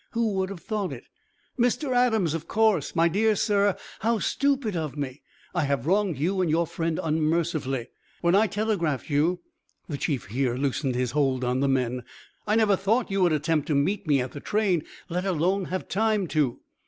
"Who would have thought it? Mr. Adams, of course! My dear sir, how stupid of me! I have wronged you and your friend unmercifully. When I telegraphed you (the Chief here loosened his hold on the men) I never thought you would attempt to meet me at the train, let alone have time to.